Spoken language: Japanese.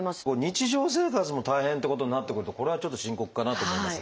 日常生活も大変っていうことになってくるとこれはちょっと深刻かなと思いますが。